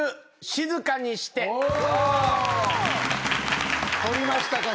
「静かにして」取りましたか。